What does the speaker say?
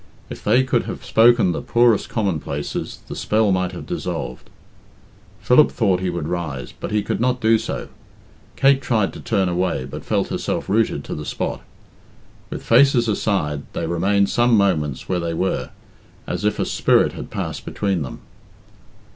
If they could have spoken the poorest commonplaces, the spell might have dissolved. Philip thought he would rise, but he could not do so. Kate tried to turn away, but felt herself rooted to the spot. With faces aside, they remained some moments where they were, as if a spirit had passed between them.